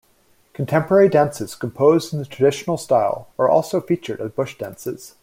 Contemporary dances, composed in the traditional style, are also featured at bush dances.